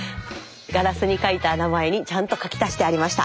ガラスに書いた名前にちゃんと書き足してありました。